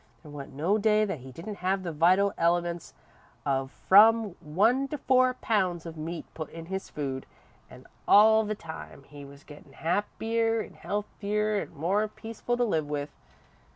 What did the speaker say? There wa'n't no day that he didn't have the vital elements of from one to four pounds of meat put in his food, an' all the time, he was gettin' happier an' healthier an' more peaceful to live with.